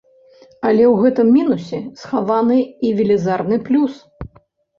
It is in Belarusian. Але ў гэтым мінусе схаваны і велізарны плюс.